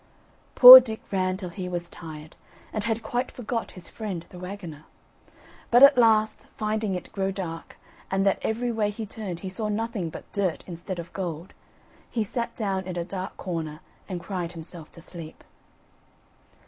Poor Dick ran till he was tired, and had quite forgot his friend the waggoner; but at last, finding it grow dark, and that every way he turned he saw nothing but dirt instead of gold, he, sat down in a dark corner and cried himself to sleep.